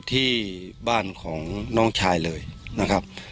ที่บ้านของน้องชายเลยนะครับ